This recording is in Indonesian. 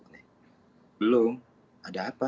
belum ada apa